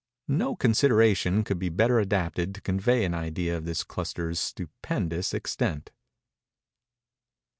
No consideration could be better adapted to convey an idea of this cluster's stupendous extent.